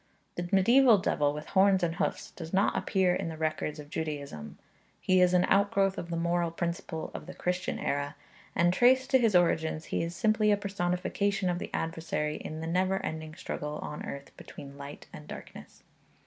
The medieval devil with horns and hoofs does not appear in the records of Judaism. He is an outgrowth of the moral principle of the Christian era; and traced to his origins he is simply a personification of the adversary in the never ending struggle on earth between light and darkness.